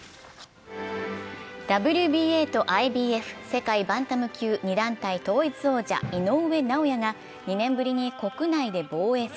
ＷＢＡとＩＷＦ、世界バンタム級２団体統一王者、井上尚弥が２年ぶりに国内で防衛戦。